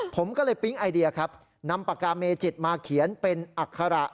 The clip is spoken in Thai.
ผมก็เลยปิ๊งไอเดียครับนำปากกาเมจิตมาเขียนเป็นอัคระ